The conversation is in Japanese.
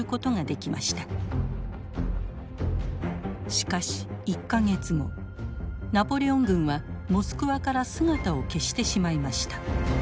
しかし１か月後ナポレオン軍はモスクワから姿を消してしまいました。